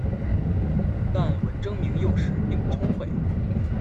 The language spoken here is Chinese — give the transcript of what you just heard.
但文征明幼时并不聪慧。